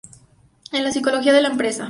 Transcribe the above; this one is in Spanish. Es la psicología de la empresa.